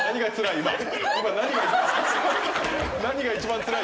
何が一番つらい？